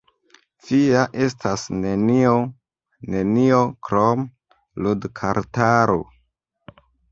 "Vi ja estas nenio, nenio krom ludkartaro!"